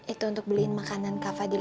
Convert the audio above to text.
itu untuk beliin makanan kak fadil